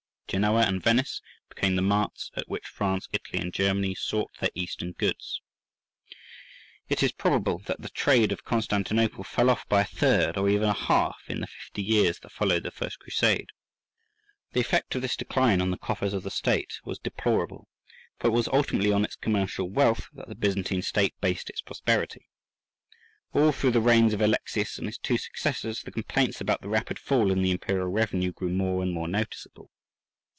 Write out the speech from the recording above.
Genoa and Venice became the marts at which France, Italy, and Germany, sought their Eastern goods. It is probable that the trade of Constantinople fell off by a third or even a half in the fifty years that followed the first Crusade. The effect of this decline on the coffers of the state was deplorable, for it was ultimately on its commercial wealth that the Byzantine state based its prosperity. All through the reigns of Alexius and his two successors the complaints about the rapid fall in the imperial revenue grew more and more noticeable.